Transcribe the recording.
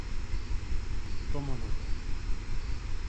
Tomo nota.